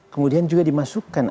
kemudian juga dimasukkan